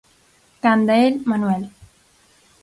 Canda el, Manuel.